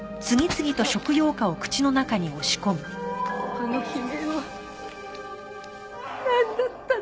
あの悲鳴はなんだったのか。